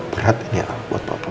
berat ini al buat papa